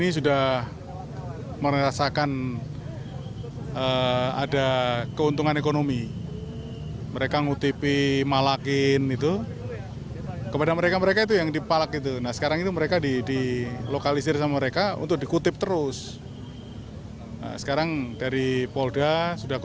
sudah hampir sepekan kelompok kriminal bersenjata